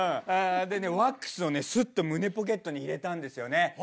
でねワックスをねスッと胸ポケットに入れたんですよね。